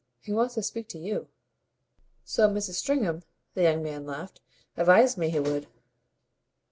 He wants to speak to you." "So Mrs. Stringham," the young man laughed, "advised me he would."